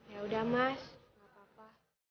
yaudah mas nggak apa apa